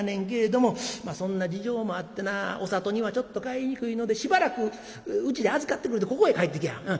けれどもそんな事情もあってなおさとにはちょっと帰りにくいのでしばらくうちで預かってくれってここへ帰ってきはる。